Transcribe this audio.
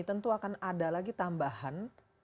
tentu akan ada lagi tambahan